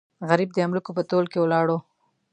غریب د املوکو په تول کې ولاړو.